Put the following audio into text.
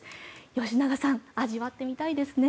吉永さん味わってみたいですね。